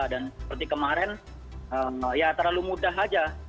dan seperti kemarin ya terlalu mudah aja